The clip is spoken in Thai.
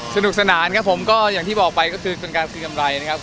สนุกสนานครับผมก็อย่างที่บอกไปก็คือเป็นการซื้อกำไรนะครับ